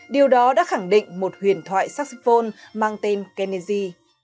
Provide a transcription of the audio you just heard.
điều đó đã khẳng định một huyền thoại saxiphone mang tên kennedy